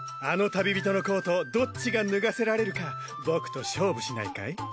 あの旅人のコートをどっちが脱がせられるか僕と勝負しないかい？